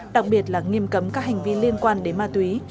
đặc biệt là nghiêm cấm các hành vi liên quan đến ma túy